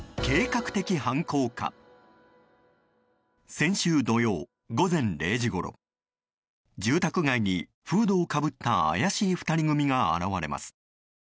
先週土曜、午前０時ごろ住宅街にフードをかぶった怪しい２人組が現れます。